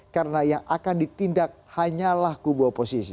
karena yang akan ditindak hanyalah kubu oposisi